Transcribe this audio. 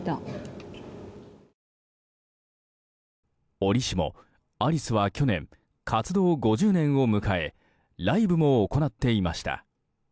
折しも、アリスは去年活動５０年を迎えライブも行っていました。